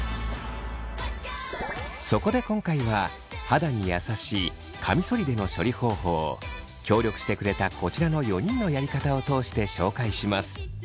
そこで今回は肌に優しいカミソリでの処理方法を協力してくれたこちらの４人のやり方を通して紹介します。